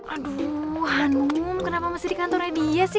aduh hanum kenapa masih di kantornya dia sih